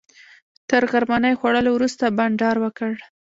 تر غرمنۍ خوړلو وروسته بانډار وکړ.